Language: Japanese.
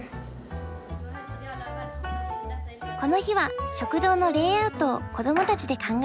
この日は食堂のレイアウトを子どもたちで考えます。